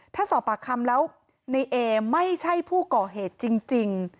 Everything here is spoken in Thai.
ถ้าสอบปากคำแล้วในเอไม่ใช่ผู้ก่อเหตุจริง